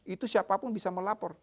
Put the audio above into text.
itu siapapun bisa melaporkan